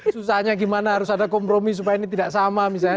susahnya gimana harus ada kompromi supaya ini tidak sama misalnya